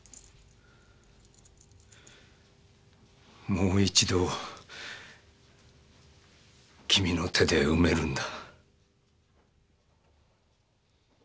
もう一度君の手で埋めるんだ。